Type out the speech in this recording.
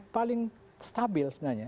paling stabil sebenarnya